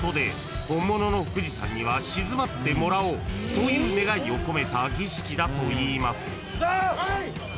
［という願いを込めた儀式だといいます］